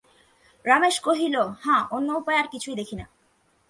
রমেশ কহিল, হাঁ, অন্য উপায় আর কিছুই দেখি না।